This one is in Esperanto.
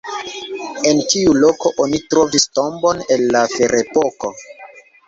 En tiu loko oni trovis tombon el la ferepoko.